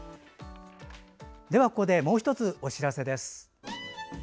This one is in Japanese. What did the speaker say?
ではここでもう１つお知らせです。